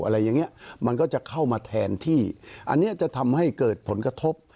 อะไรอย่างเงี้ยมันก็จะเข้ามาแทนที่อันนี้จะทำให้เกิดผลกระทบ